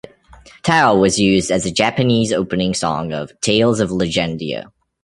"Tao" was used as the Japanese opening song of "Tales of Legendia".